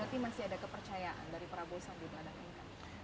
berarti masih ada kepercayaan dari prabowo sampai keadaan mk